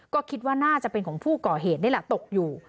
ก็คิดว่าน่าจะเป็นของผู้ก่อเหตุนี่แหละตกอยู่